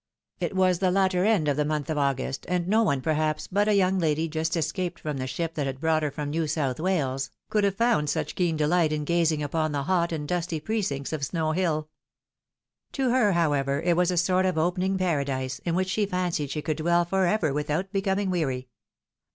It was the latter end of the month of August, and no one perhaps but a young lady just escaped from the ship that had brought her from New South Wales, could have found such keen delight in gazing upon the hot and dusty precincts of Snow hill. To her, however, it was a sort of opening paradise, in which she fancied she could dwell for ever without becoming weary.